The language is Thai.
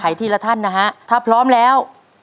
ขายที่ละทันนะฮะถ้าพร้อมแล้ว